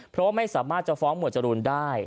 เพราะว่าไม่สามารถจะฟ้องหมวดจรูนได้